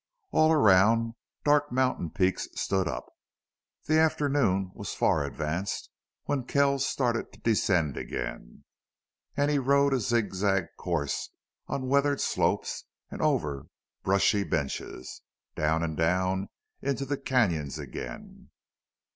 All around dark mountain peaks stood up. The afternoon was far advanced when Kells started to descend again, and he rode a zigzag course on weathered slopes and over brushy benches, down and down into the canons again.